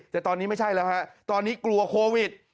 แต่ตอนนี้ไม่ใช่แล้วฮะตอนนี้กลัวโควิด